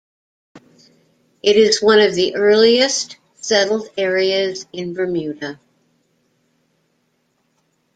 It is one of the earliest settled areas in Bermuda.